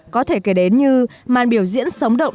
có thể kể đến như màn biểu diễn sống động